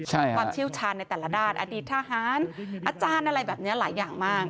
ความเชี่ยวชาญในแต่ละด้านอดีตทหารอาจารย์อะไรแบบนี้หลายอย่างมาก